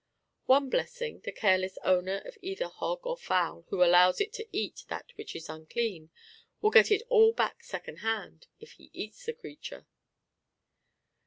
One blessing, the careless owner of either hog or fowl, who allows it to eat that which is unclean, will get it all back second hand if he eats the creature.